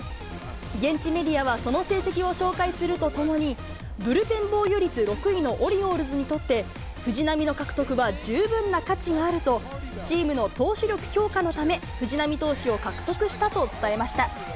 現地メディアは、その成績を紹介するとともに、ブルペン防御率６位のオリオールズにとって、藤浪の獲得は十分な価値があると、チームの投手力強化のため、藤浪投手を獲得したと伝えました。